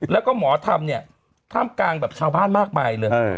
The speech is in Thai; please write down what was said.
แล้วก็หมอทำเนี่ยทำกลางแบบชาวบ้านมากไปเลย